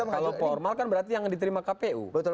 kalau formal kan berarti yang diterima kpu